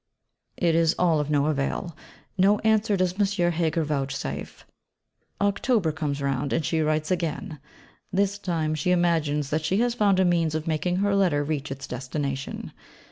It is all of no avail! No answer does M. Heger vouchsafe. October comes round, and she writes again. This time she imagines that she has found a means of making her Letter reach its destination.